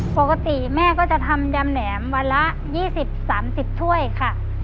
ปกติแม่ก็จะทำยำแหนมวันละ๒๐๓๐ถ้วยค่ะ